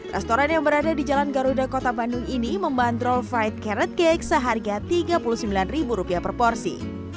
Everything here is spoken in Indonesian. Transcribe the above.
restoran yang berada di jalan garuda kota bandung ini membandrol fight carrot cake seharga rp tiga puluh sembilan per porsi